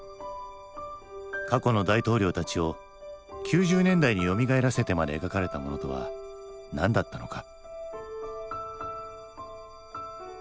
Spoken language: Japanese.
過去の大統領たちを９０年代によみがえらせてまで描かれたものとは何だったのか。